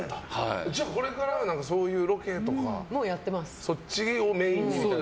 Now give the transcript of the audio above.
じゃあこれからそういうロケとかそっちをメインでみたいな。